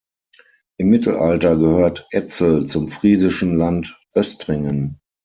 Im Mittelalter gehört Etzel zum friesischen Land Östringen.